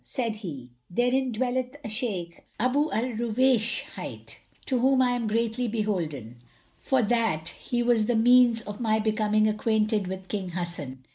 Said he, "Therein dwelleth a Shaykh, Abu al Ruwaysh hight, to whom I am greatly beholden, for that he was the means of my becoming acquainted with King Hassun."